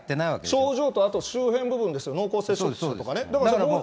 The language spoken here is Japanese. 症状とあと周辺部分ですよ、濃厚接触者とかね。